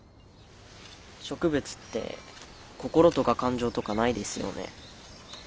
植物って心とか感情とかないですよね。